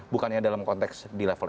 bukannya dalam konteks di level